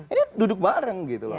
ini duduk bareng gitu loh